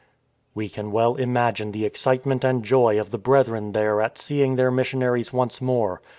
We can well imagine the excitement and joy of the Brethren there at seeing their missionaries once more.